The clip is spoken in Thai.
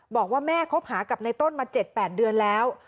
บอกว่าแม่คบหากับในต้นมา๗๘เดือนแล้ว